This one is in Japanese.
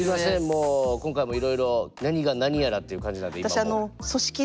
今回もいろいろ何が何やらっていう感じなんで今もう。